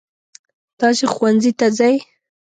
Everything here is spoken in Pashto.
تاسې ښوونځي ته ځئ.